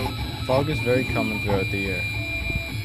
Fog is very common throughout the year.